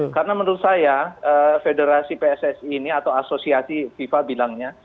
karena menurut saya federasi pssi ini atau asosiasi fifa bilangnya